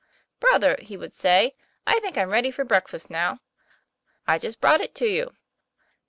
"Brother," he would say, "I think I'm r^ady for breakfast now." " I just brought it to you."